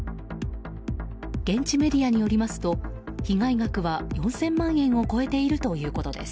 現地メディアによりますと被害額は４０００万円を超えているということです。